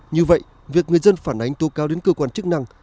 như vậy việc người dân phản ánh tố cao đến cơ quan chức năng